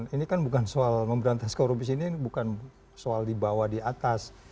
ini kan bukan soal memberantas korupsi ini bukan soal di bawah di atas